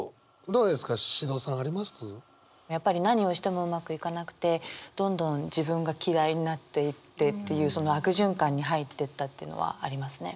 やっぱり何をしてもうまくいかなくてどんどん自分が嫌いになっていってっていうその悪循環に入ってったっていうのはありますね。